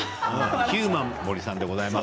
ヒューマン森さんでございます。